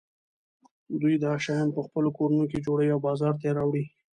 دوی دا شیان په خپلو کورونو کې جوړوي او بازار ته یې راوړي.